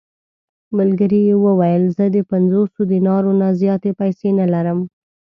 ملګري یې وویل: زه د پنځوسو دینارو نه زیاتې پېسې نه لرم.